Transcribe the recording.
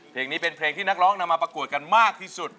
เพลงนี้เป็นเพลงที่นักร้องนำมาประกวดกันมากที่สุด